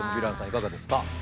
いかがですか？